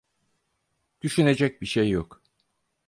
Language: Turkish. Düşünecek bir şey yok.